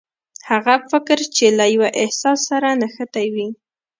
هغه فکر چې له يوه احساس سره نغښتي وي.